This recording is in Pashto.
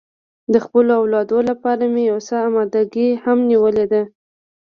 د خپلو اولادو لپاره مې یو څه اماده ګي هم نیولې ده.